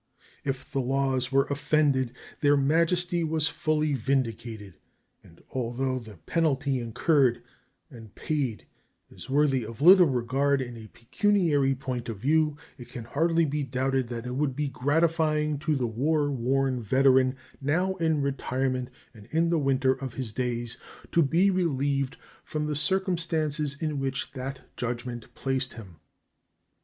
If the laws were offended, their majesty was fully vindicated; and although the penalty incurred and paid is worthy of little regard in a pecuniary point of view, it can hardly be doubted that it would be gratifying to the war worn veteran, now in retirement and in the winter of his days, to be relieved from the circumstances in which that judgment placed him.